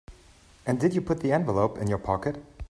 And did you put the envelope in your pocket?